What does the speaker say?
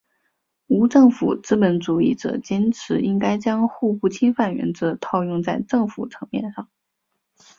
无政府资本主义者坚持应该将互不侵犯原则套用在政府层面上。